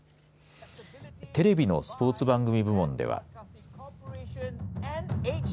テレビのスポーツ番組部門では。